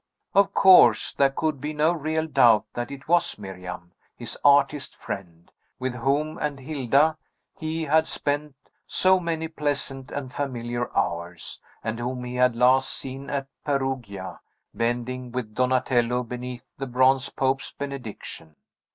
Of course there could be no real doubt that it was Miriam, his artist friend, with whom and Hilda he had spent so many pleasant and familiar hours, and whom he had last seen at Perugia, bending with Donatello beneath the bronze pope's benediction.